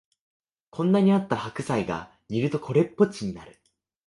こんなにあった白菜が煮るとこれっぽっちになる